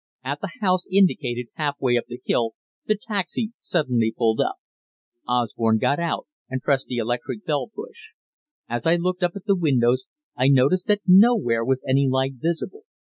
At the house indicated half way up the hill the taxi suddenly pulled up. Osborne got out and pressed the electric bell push. As I looked up at the windows, I noticed that nowhere was any light visible.